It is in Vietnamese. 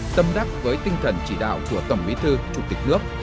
tâm đắc với tinh thần chỉ đạo của tổng bí thư chủ tịch nước